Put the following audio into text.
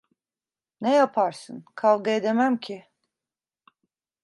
Ne yaparsın? Kavga edemem ki…